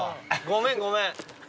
ごめんごめん。